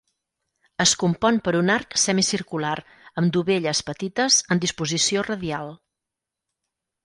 Es compon per un arc semicircular, amb dovelles petites, en disposició radial.